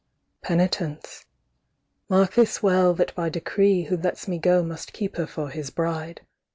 "Penitence. Mark this well that by decree Who lets me go must keep her for his bride.